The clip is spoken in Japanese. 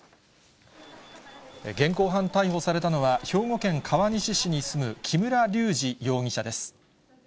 現行犯逮捕されたのは、兵庫県川西市に住む木村隆二容疑者です。